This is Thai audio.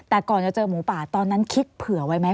แต่ก่อนจะเจอหมูป่าตอนนั้นคิดเผื่อไว้ไหม